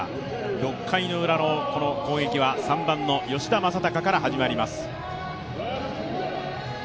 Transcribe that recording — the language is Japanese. ６回ウラの攻撃は３番の吉田正尚から始まります。